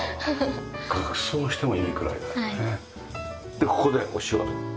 でここでお仕事。